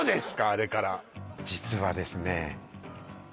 あれから実はですね